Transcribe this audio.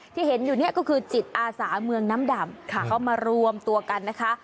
ที่เห็นอยู่เนี่ยก็คือจิตอาสาเมืองน้ำดำเขามารวมตัวกันนะคะ